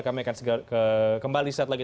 kami akan kembali setelah ini